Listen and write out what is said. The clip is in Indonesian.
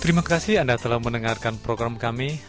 terimakasih anda telah mendengarkan program kami